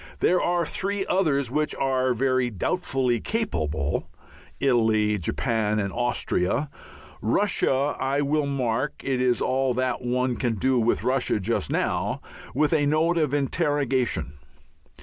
There are three others which are very doubtfully capable: Italy, Japan, and Austria. Russia I will mark it is all that one can do with Russia just now with a note of interrogation.